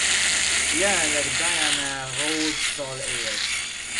Jelenleg Diana Rhodes-sal él.